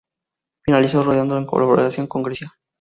Finalizó rodando en colaboración con Grecia.